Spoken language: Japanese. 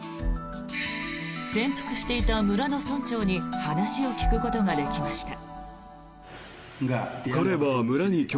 潜伏していた村の村長に話を聞くことができました。